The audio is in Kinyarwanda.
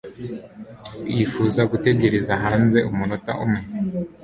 Wifuza gutegereza hanze umunota umwe?